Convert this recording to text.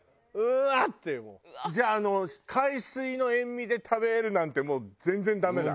じゃあ海水の塩味で食べるなんてもう全然ダメだ。